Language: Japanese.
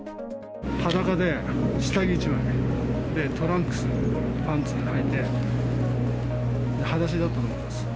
裸で下着１枚、トランクスパンツはいて、はだしだったと思います。